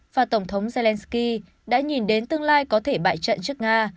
và tổng thống zelensky đã nhìn đến tương lai có thể bại trận trước nga